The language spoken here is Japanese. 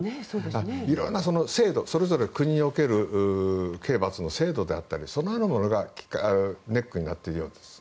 いろいろな制度国における刑罰の制度であったりそのようなものがネックになっています。